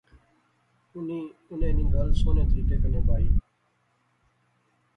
اُنی انیں نی گل سوہنے طریقے کنے بائی